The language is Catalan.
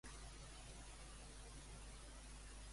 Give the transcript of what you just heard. Lathgertha es va tornar a casar?